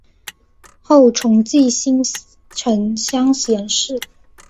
后崇祀新城乡贤祠。